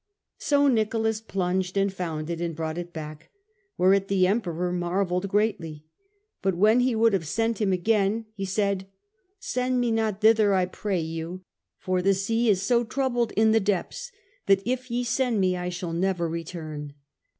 So Nicholas plunged and found it and brought it back, whereat the Emperor marvelled greatly. But when he would have sent him again, he said, ' Send me not thither, I pray you ; for the sea is so troubled in the depths that if ye send me I shall never return.'